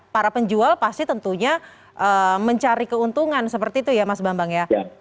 para penjual pasti tentunya mencari keuntungan seperti itu ya mas bambang ya